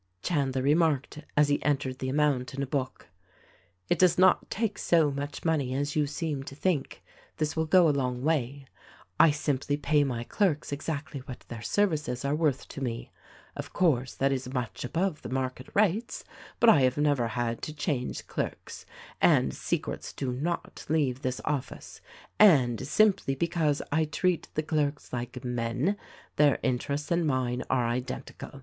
Chandler remarked — as he entered the amount in a book — "It does not take so much money as you seem to think. This will go a long way. I simply pay my clerks exactly what their services are worth to me. Of course, that is much above the market rates ; but I have never had to change clerks, and secrets do not leave this office, and simply because I treat the clerks like men — their interests and mine are identical.